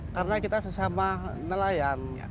karena kita sesama nelayan